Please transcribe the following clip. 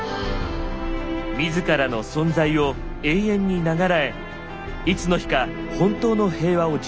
自らの存在を永遠に永らえいつの日か本当の平和を実現する。